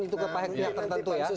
itu ke pahitnya tertentu ya